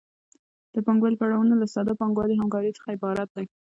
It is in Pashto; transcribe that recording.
د پانګوالي پړاوونه له ساده پانګوالي همکارۍ څخه عبارت دي